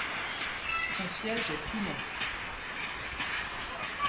Son siège est Toulon.